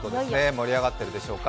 盛り上がっているでしょうか。